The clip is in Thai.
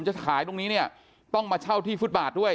จะขายตรงนี้เนี่ยต้องมาเช่าที่ฟุตบาทด้วย